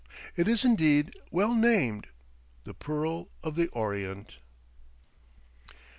It is indeed well named the Pearl of the Orient.